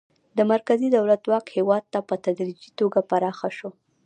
د مرکزي دولت واک هیواد ته په تدریجي توګه پراخه شو.